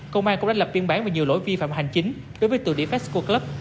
công an cũng đã lập phiên bản về nhiều lỗi vi phạm hành chính đối với tựa địa fesco club